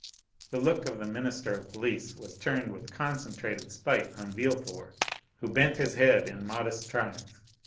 The look of the minister of police was turned with concentrated spite on Villefort, who bent his head in modest triumph.